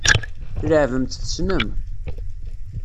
Tleɛɛbem-tt tessnem.